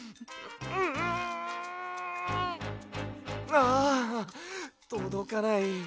ああとどかない。